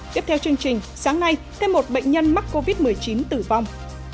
tiếp theo chương trình sáng nay thêm một bệnh nhân mắc covid một mươi chín tử vong